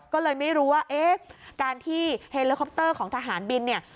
ก็เลยไม่รู้ว่าเอ๊ะการที่เฮลิคอปเตอร์ของทหารบินเนี่ย